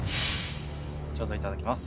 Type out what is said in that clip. ちょうどいただきます。